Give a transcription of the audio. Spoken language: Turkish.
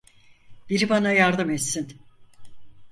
Biri bana yardım etsin!